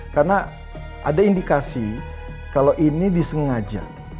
karena ada indikasi kalau ini disengaja